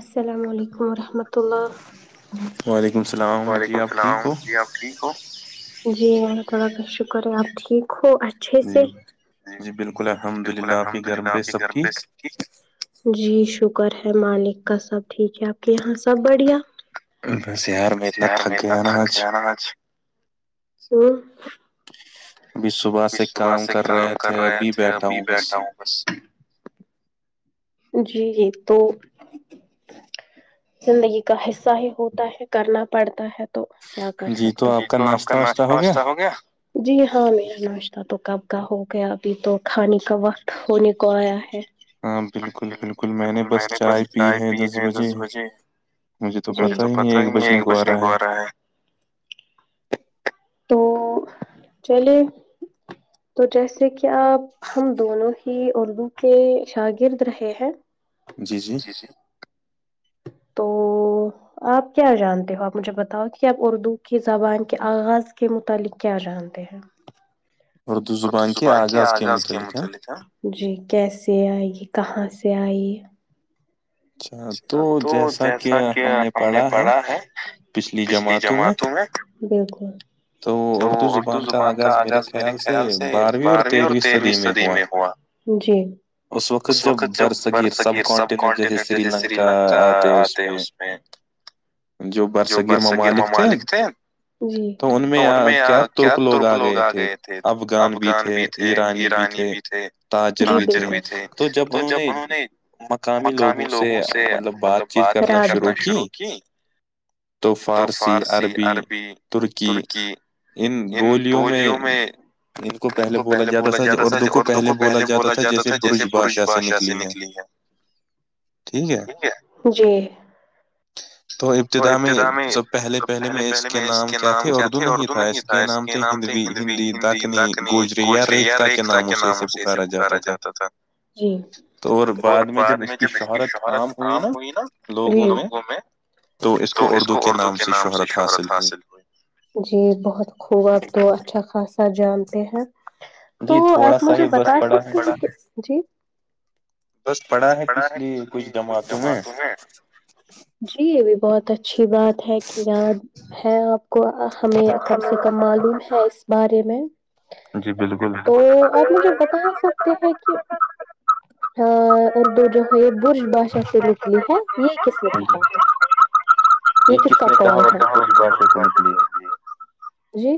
السلام علیکم و رحمۃ اللہ وعلیکم السلام جی آپ ٹھیک ہو جی اللہ تعالی کا شکر ہے آپ ٹھیک ہو اچھے سے جی بالکل الحم بالکل الحمد للہ آپ کے گھر پے سب ٹھیک جی شکر ہے مالک کا سب ٹھیک ہے آپ کے یہاں سب بڑھیا شہر میں اتنا تھک گیا نہ آج ابھی صبح سے کام کر رہے تھے ابھی بیٹھا ہوں بس جی جی تو زندگی کا حصہ ہی ہوتا ہے کرنا پڑتا ہے تو کیا کر سکتے جی تو آپ کا ناشتہ واشہ ہو گیا جی ہاں میرا ناشتہ تو کب کا ہو گیا ابھی تو کھانے کا وقت ہونے کو آیا ہے بالکل بالکل میں نے بس چائے پی ہے دس بجے مجھے تو پتا ہی نہیں ایک بجنے کو آ رہا ہے تو چلے تو جیسے کہ آپ ہم دونوں ہی اردو کے شاگرد رہے ہیں جی جی جی تو آپ کیا جانتے ہو آپ مجھے بتاؤ کہ آپ اردو کہ زبان کے آغاز کے متعلق کیا جانتے ہیں اردو زبان کے آغاز کے متلق ہاں جی کیسے آئے گی کہاں سے آئ اچھا تو جیسا کہ ہم نے پڑھا ہے پچھلی جماعتوں میں بالکل تو اردو زبان کا آغاز میرے خیال سے باربی اور تیروی صدی میں ہوا جی اس وقت جب براسگیر سب کانٹیننٹ جیسے سری لنکا آتے ہے اس میں جو برصغیر ممالک تھے تو ان میں کیا ترک لوگ آ گئے تھے افغان بھی تھے ایرانی بھی تھے تاجر بھی تھے تو جب انہوں نے مقامی لوگوں سے مطلب بات چیت کرنا شروع کی تو فارسی عربی ترک کی ان بولیوں میں ان کو پہلے بولا جاتا زا اردو کو پہلے بولا جاتا تھا جیسے برج بھاشا سے نکلی ہے جی وہ ابتدا میں سب پہلے پہلے میں اس کی نام کیا تھے اردو نہیں تھا اس کے نام تھے ہندوی ہندی دکنی گوجری یا ریختہ کے نام ہوتے اسے ایسے پکارا جاتا تھا اور بعد میں جب اس کی شہرت عام ہوئی نا لوگوں میں تو اس کو اردو کے نام سے شہرت حاصل جی بہت خوب آب تو اچھا خاصا جانتے ہیں تو آپ مجھے بتا سکتے ہیں کہ جی پڑا ہے پچھلی کچھ جماعتوں میں جی یہ بھی بہت اچھی بات ہے کہ یاد ہے آپ کو ہمیں کم سے کم معلوم ہے اس بارے میں تو آپ مجھے بتا سک تے ہیں کہ ا اردو جو ہے برج باشا سے نکلی ہے یہ کس نے کہا ہے یہ کس کا قول تھا جی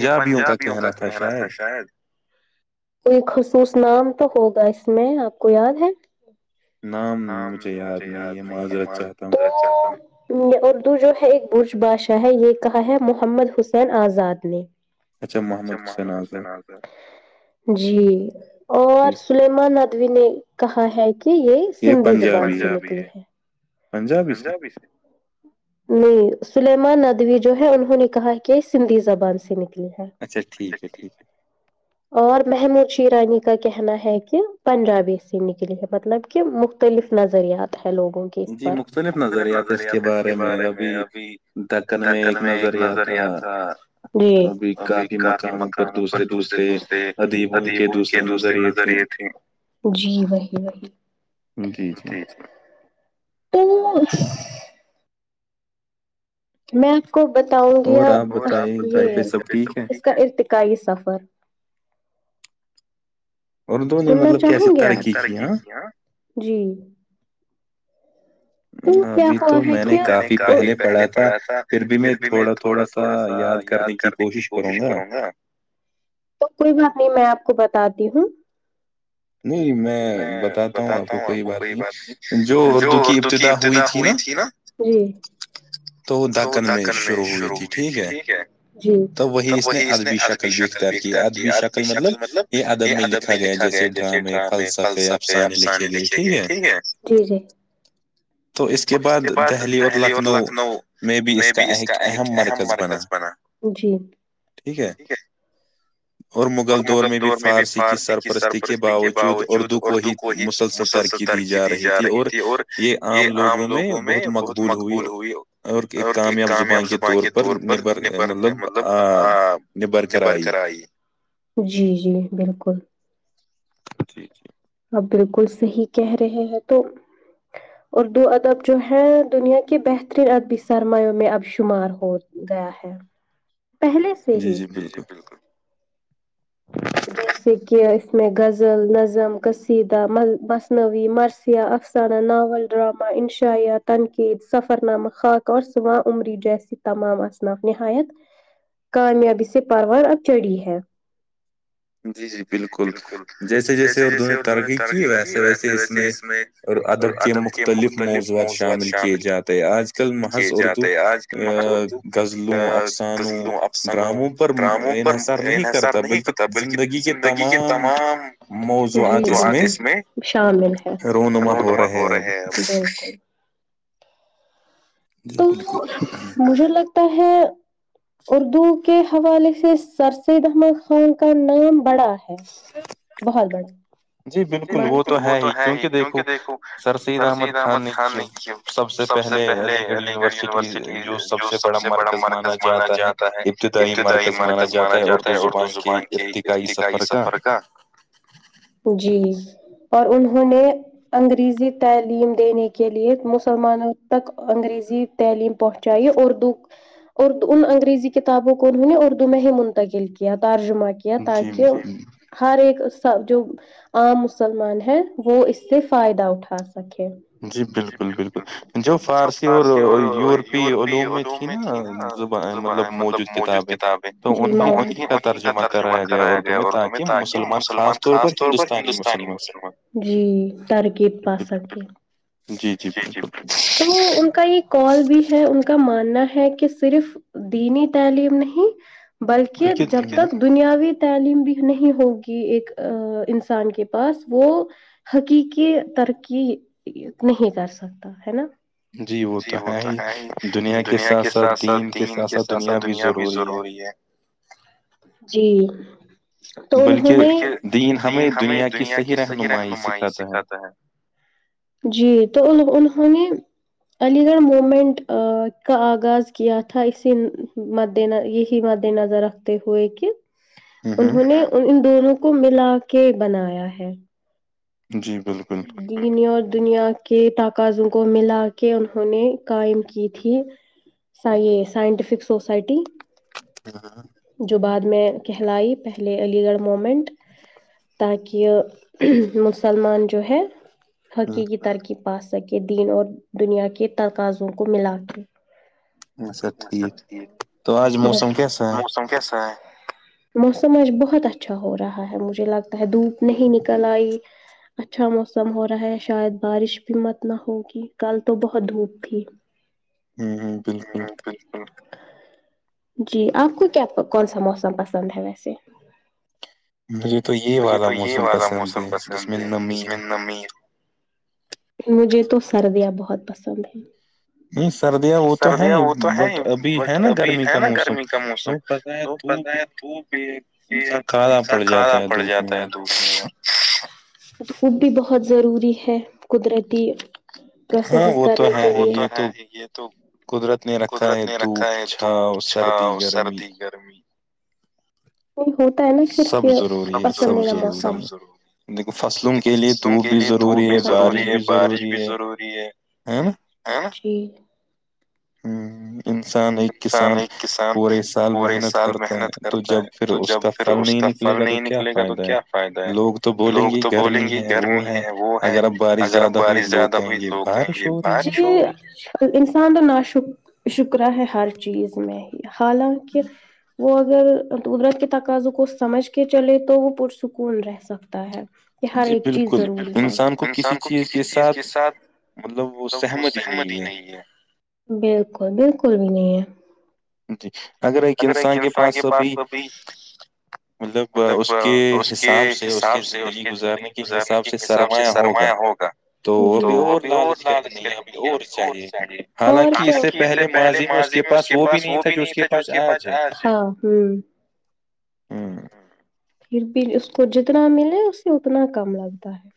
یہ پنجابیوں کا کرانا تھا شاید کوئی خصوص نام تو ہوگا اس میں آپ کو یاد ہے نام مجھے یاد نہیں ہے معذرت چاہتا ہوں یہ اردو جو ہے ایک برج بھاشا ہے یہ کہا ہے محمد حسین آزاد نے اچھا محمدحسیں آزاد جی اور سلیمان ندوی نے کہا ہے کہ یہ سندھی زبان سے نکلی ہے پنجابی سے نہیں سلیمان ندوی جو ہے انہوں نے کہا کہ یہ سندھی زبان سے نکلی ہے اچھا ٹھیک ہے ٹھیک ہے اور محمود شیرانی کا کہنا ہے کہ پنجابی سے نکلی ہے مطلب کہ مختلف نظریات ہے لوگوں کے جی مختلف نظریات اس کے بارے میں ابھی دکن میں ایک نظریہ تھا جی ابھی کافی مقاموں پر دوسرے دوسرے ادیبوں کے دوسرے نظریہ جی وہی وہی جی جی تو میں آپ کو بتاؤں گی ا ہ یہ ہے اس کا ارتقائی سفر سننا چاہیں گے آپ کسی ترقی کی ہاں جی تو کیا ہوا ہے ہے کیوں میں نے کافی پہلے پڑھا تھا پھر بھی میں تھوڑا تھوڑا سا یاد کرنے کی کوشش کروں گا تو کوئی بات نہیں میں آپ کو بتاتی ہوں میں بتاتا ہوں آپ کو کوئی بات نہیں جو دور کی ابتدا ہوئی تھی نا تو وہ دکن میں شروع ہوئی تھی ٹھیک ہے تو وہی اس نے ادبی شکل بھی اختیار کی ادبی شکل مطلب یہ ادب میں لکھا گیا جیسے ڈرامے پلسپ کے افسانے لکھے گئے ٹھیک ہے جی جی تو اس کے بعد دہلی اور لکھنؤ تو میں بھی اس کا ایک اہم مرکز بنا جی ٹھیک ہے اور مغل دور میں بھی فارسی کی سرپرستی کے باوجود اردو کو ہی مسلسل ترقی دی جا رہی تھی اور یہ عام لوگوں میں بہت مقبول ہوئی اور ایک کامیاب زبان کے طور پر نبر مطلب آ نبر کرائی جی جی بالکل جی جی اپ بالکل صحیح کہہ رہے ہیں تو اور دو ادب جو ہے دنیا کے بہترین ادبی سرماوں میں اب شمار ہو گیا ہے پہلے سے ہی جی جی بلکل [inaudible] جیسے کہ اس میں غزل نظم قصیدہ مصنوعی مرث افسانہ ناول ڈرامہ انشایہ تنقید سفرنامہ خاک اور سواں عمری جیسی تمام اصناف نہایت کامیابی سے پروار اب چڑھی ہے جی جی بالکل جیسے جیسے اردو نے ترقی کی ویسے ویسے اس میں اور ادب کے مختلف موضوعات شامل کیے جاتے ہیں آج کیے جاتے آج کل ماہر اردو غزلوں افسانوں ڈراموں پر انحصار نہیں کر تا بلکہ زندگی کے تمام مراکز میں شامل ہیں رونما ہو رہے ہیں اب بالکل تو مجھے لگتا ہے اردو کے حوالے سے سرسیداحمد خان کا نام بڑا ہے ہے بہت بڑا جی بالکل وہ تو ہے ہی کیونکہ دیکھو سر سید احمد خان نے کی سب سے پہلے علی گڑھ علی گڑھ یونیورسٹی جو سب سے بڑا مرکز مانا جاتا ہے ابتدائی مرکز مانا جاتا تا ہے اردو زبان کے ابتدائی سفر کا جی اور انہوں نے انگریزی تعلیم دینے کے لیے مسلمانوں تک انگریزی تعلیم پہنچائی اور دکھ اردو ان انگریزی کتابوں کو انہوں نے اردو میں ہی منتقل کیا ترجمع کیا تاکہ ہر ایک سب جو عام مسلمان ہیں وہ اس سے فائدہ اٹھا سکے جی بالکل بالکل جو فارسی اور یورپی علوم میں تھی نہ زبان مطلب موجود کتابیں تو انھی انھی کا ترجمہ کرایا گیا اردو میں تاکی مسلمان خاص طور پر طور پر ہندوستانی مسلمان جی ترکیب پا سکہے جی جی بالکل ان کا ایک کال بھی ہے ان کا ماننا ہے کہ صرف دینی تعلیم نہیں بلکہ جب تک دنیاوی تعلیم بھی نہیں ہوگی ایک انسان کے پاس وہ حقیقی ترقی نہیں کر سکتا ہے نا جی وہ تو ہے ہی دنیا کے ساتھ ساتھ دین کے ساتھ ساتھ دنیا بھی ضروری ہے جی توانھوں نے بلکہ دین ہمیں دنیا کی صحیح رہنمائی سکھاتا ہے جی تو انہ انہوں نے علی گڑھ مومنٹ ا کا آغاز کیا تھا اسی مد نظر یہی مد نظر رکھ تے ہوئے کہ انہوں نے ان دونوں کو ملا کے بنایا ہے جی جی بالکل دین اور دنیا کے تقاذوں کو ملا کے انہوں نے قائم کی تھی کیا یہ سائنٹیفک سوسائٹی ہاں ہاں جو بعد میں کہلائی پہلے علی گڑھ موومنٹ تاکہ مسلمان جو ہے حقیقی ترقیب پا سکے دین اور دنیا کے تقاضوں کو ملا کے اچھا ٹھیک ہے موسم کیسا ہے موسم آج بہت اچھا ہو رہا ہے مجھے لگتا ہے دھوپ نہیں نکل آئی اچھا موسم ہو رہا ہے شاید بارش بھی مت نہ ہوگی کل تو بہت دھوپ تھی ہمم بالکل جی آپ کو کیا کون سا موسم پسند ہے ویسے مجھے تو یہ والا موسم پسند ہے جس میں نمی مجھے تو سردیاں بہت پسند ہیں سردیاں وہ تو ہیں ہی بٹ ابھی ہے نا گرمی کا موسم تو پتا ہے دھوپ سے انسان کالا پڑ جاتا ہے دھوپ میں وہ بھی بہت ضروری ہے قدرتی پروسیسز کرنے یہ تو قدرت نے رکھا ہے دھوپ چھاؤ سردی گرمی نہیں ہوتا ہے نا پر کہ پسندہ موسم دیک فصلو کے لیے دھوپ بھی ضروری ہے بارش بھی ضروری ہے ہاں ہاں جی کسان ایک کسان پورے سال محنت کرتا ہے تو جب پھر اس کا پھل نہیں نکلے گا تو کیا فائدہ ہے لوگ تو بولیں گے گرمی ہے وہ ہے اگر اب بارش زیادہ تب ہی لوگ کہیں یہ بات چھو انسان تو ناشک شکرہ ہے ہر چیز میں ہی حالانکہ وہ اگر قدرت کے تقاضوں کو سمجھ کے چلے تو وہ پرسکون رہ سکتا ہے کہ ہر ایک چیز ضروری ہو انسان کو کسی چیز کے ساتھ وہ سہمت ہی نہیں ہے بالکل بالکل بھی نہیں ہے جی اگر ایک انسان کے پاس سے بھی مطلب اس کے حساب سے اس کے زندگی گزارنے کے حساب سے سرمایا ہوگا تو ابھی اور لالچ کر کے نہیں ابھی اور چاہیے حالانکہ اس سے پہلے ماضی میں اس کے پاس وہ بھی نہیں تھا جو اس کے پاس آ پھر بھی اس کو جتنا ملے اس سے اتنا کم لگتا ہے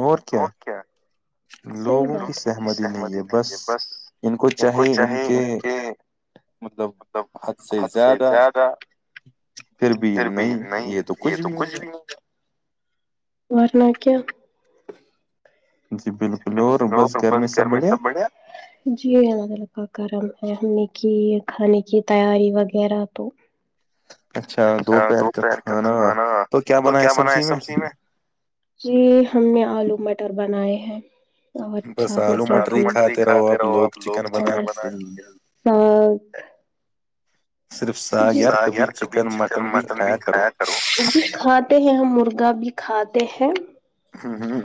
اور کیا صحیح بات ہیں سہمتی نہیں ہے بس ان کو چاہے ان کے مطلب حد سے زیادہ پھر بھی نہیں یہ تو کچھ بھی نہیں ہے ورنہ کیا وہاں پر گھر میں سب بڑھے جی الله کا کرم ہے ہم نے کی کھانے کی تیاری وغیرہ تو اچھا دوپہر کا کھانا تو کیا بنایا ہے سبزی میں جی ہم نے آلو مٹر بنائے ہیں اچھا مٹری کھاتے رہو آپ لوگ چکن بنا کے یار کبھی چکن مٹن بھی کھایا کرو بھی کھاتے ہیں ہم مرغا بھی کھاتے ہیں ہاں ہاں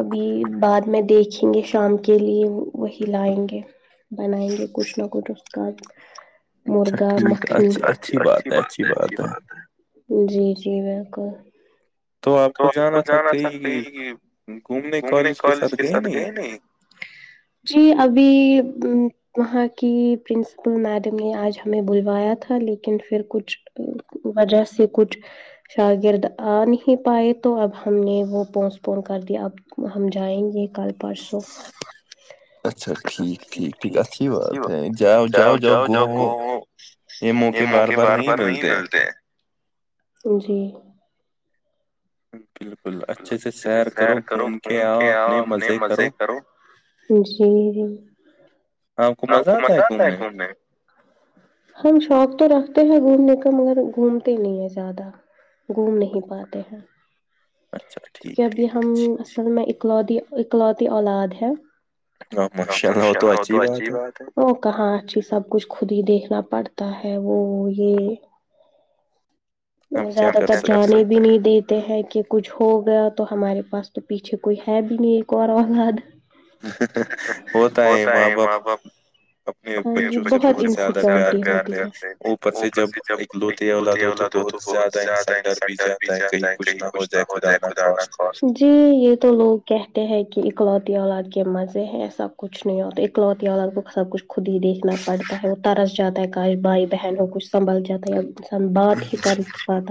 ابھی بعد میں دیکھیں گے شام کے لیے وہی لائیں گے بنائیں گے کچھ نہ کچھ اس کا اچھا ٹھیک ہے اچ اچھی بات ہے اچھی بات ہے جی جی بالکل تو آپ کو جانا تھاتے ہیں کہ گھومنے کالج کے ساتھ گئے نہیں ہ جی ابھی وہاں کی پرنسپل میڈم نے آج ہمیں بلوایا تھا لیکن پھر کچھ وجہ سے کچھ شاگرد آ نہیں پائے تو اب ہم نے وہ پوسٹ پون کر دیا اب ہم جائیں گے کل پرسوں اچھا سر ٹھیک ٹھیک جؤ جؤ جؤ گو ہ یہ موقع بار بار نہیں ملتے جی اچھے اچھے سیر کرو گھوم کے آؤ اپنے مزے کرو جی آپ کو مزہ آتا ہے گھومنے ہم شوق تو رکھتے ہیں گھومنے کا مگر گھومتے نہیں ہیں زیادہ گھوم نہیں پاتے ہیں کیونکہ ابھی ہم اصل میں اکلوتی اکلوتی اولاد ہے تو ماشاء اللہ وہ تو اچھی ہی بات ہے وہ کہاں اچھی سب کچھ خود ہی دیکھنا پڑتا ہے وہ یہ وہ زیادہ تر جانے بھی نہیں دیت ہیں کہ کچھ ہو گیا تو ہمارے پاس تو پیچھے کوئی ہے بھی نہیں ایک اور اولاد ہی ہی ہی ہوتا ہے ماں باپ اپنے بچوں سے بہت زیادہ پیار کرتے ہیں اوپر سے جب اکلوتی اولاد ہوتو بہت زیادہ انسان ڈر بھی جاتا ہے کہیں کچھ نہ ہو جائے خدا نہ جی یہ تو لوگ کہتے ہیں کہ اکلوتی اولاد کے مزے ہیں سب کچھ نہیں ہوتا اکلوتی اولاد کو سب کچھ خود ہی دیکھنا پڑتا ہے وہ ترس جاتا ہے کاش بھائی بہن ہو کچھ سنبھال جاتا یا انسان بات ہی کر واتہ